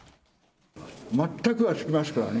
全くがつきますからね。